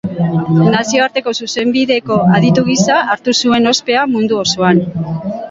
Nazioarteko zuzenbideko aditu gisa hartu zuen ospea mundu osoan.